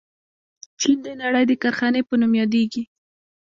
چین د نړۍ د کارخانې په نوم یادیږي.